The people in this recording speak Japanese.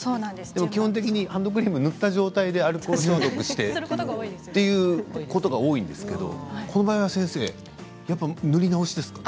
基本的にハンドクリーム塗った状態でアルコール消毒してということが多いんですけどこの場合は先生塗り直しですか？